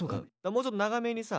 もうちょっと長めにさ。